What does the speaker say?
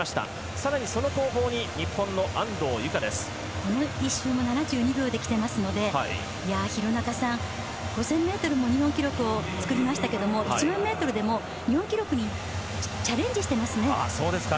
更にその後方に１周７２秒できてますので廣中さん、５０００ｍも日本記録を作りましたけれども１００００ｍでも日本記録にチャレンジしてますね。